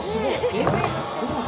えっ？